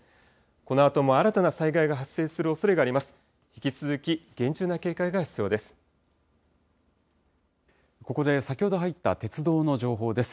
このあとも新たな災害が発生するおそれがあります。